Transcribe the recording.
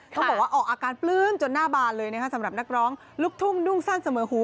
ต้องบอกว่าออกอาการปลื้มจนหน้าบานเลยนะคะสำหรับนักร้องลูกทุ่งนุ่งสั้นเสมอหู